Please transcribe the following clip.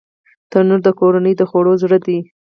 تنور د کورنۍ د خوړو زړه دی